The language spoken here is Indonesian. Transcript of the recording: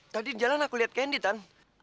tadi jalan aku liat kendi tan